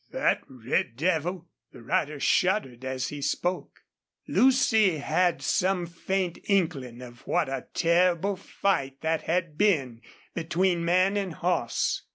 "That red devil!" The rider shuddered as he spoke. Lucy had some faint inkling of what a terrible fight that had been between man and horse.